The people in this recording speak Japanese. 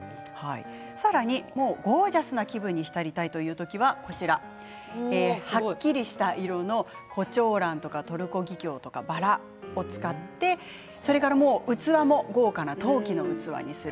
さらにゴージャスな気分に浸りたい時にははっきりした色のコチョウランやトルコギキョウバラを使って器も豪華な陶器の器にする。